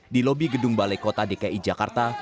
di lobi gedung balai kota dki jakarta